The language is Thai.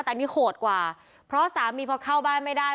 แต่นี่โหดกว่าเพราะสามีพอเข้าบ้านไม่ได้